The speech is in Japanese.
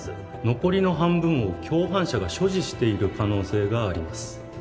残りの半分を共犯者が所持している可能性があります